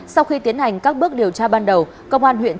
sau khi tiến hành các bước điều tra ban đầu